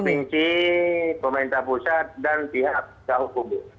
provinsi pemerintah pusat dan pihak jahuk bu